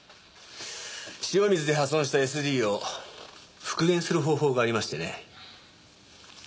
塩水で破損したＳＤを復元する方法がありましてね。